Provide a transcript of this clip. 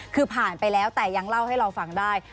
คือผ่านไปแล้วแต่ยังเล่าให้เราฟังได้